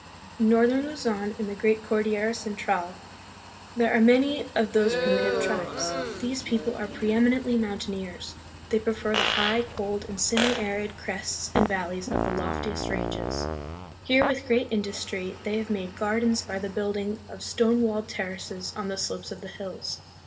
In northern Luzon, in the great Cordillera Central, there are many of these primi tive tribes. These people are preeminently mountaineers. They prefer the high, cold, and semi arid crests and val leys of the loftiest ranges. Here, with great industry, they have made gardens by the building of stone walled ter races on the slopes of the hills.